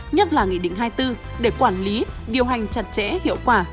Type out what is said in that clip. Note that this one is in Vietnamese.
nhất là nghị định hai mươi bốn để quản lý điều hành chặt chẽ hiệu quả